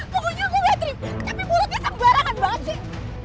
punggu juga gue tri tapi mulutnya sembarangan banget sih